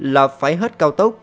là phải hết cao tốc